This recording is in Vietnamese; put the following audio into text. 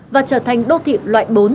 và trở thành đô thị loại bốn